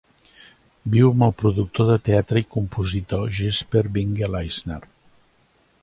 Viu amb el productor de teatre i compositor Jesper Winge Leisner.